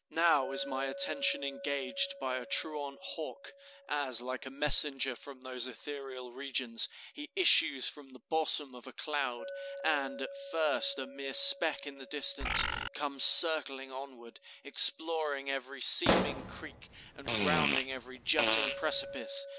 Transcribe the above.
Now is my attention engaged by a truant hawk, as, like a messenger from those ethereal regions, he issues from the bosom of a cloud, and, at first a mere speck in the distance, comes circling onward, exploring every seeming creek, and rounding every jutting precipice.